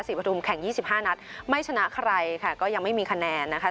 ปฐุมแข่ง๒๕นัดไม่ชนะใครค่ะก็ยังไม่มีคะแนนนะคะ